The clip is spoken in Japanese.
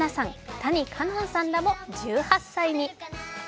谷花音さんらも１８歳に。